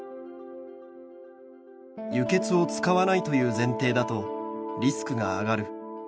「輸血を使わないという前提だとリスクが上がる」